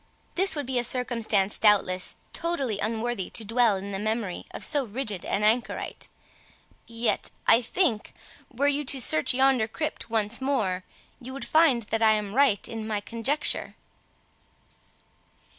This would be a circumstance, doubtless, totally unworthy to dwell in the memory of so rigid an anchorite; yet, I think, were you to search yonder crypt once more, you would find that I am right in my conjecture."